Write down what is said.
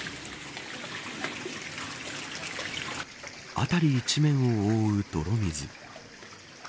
辺り一面を覆う泥水。